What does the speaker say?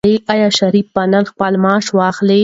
آیا شریف به نن خپل معاش واخلي؟